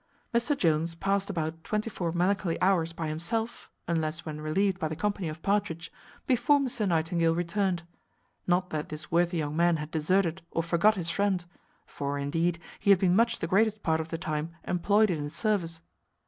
Mr Jones passed about twenty four melancholy hours by himself, unless when relieved by the company of Partridge, before Mr Nightingale returned; not that this worthy young man had deserted or forgot his friend; for, indeed, he had been much the greatest part of the time employed in his service.